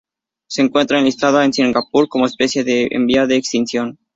Se encuentra enlistada en Singapur como especie en vía de extinción.